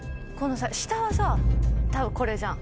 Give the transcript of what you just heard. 下は多分これじゃん。